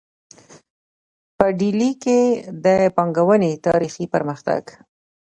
په ډیلي کې د پانګونې تاریخي پرمختګ